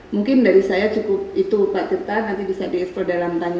mungkin dari saya cukup itu pak cipta nanti bisa di eksplod dalam tanya tanya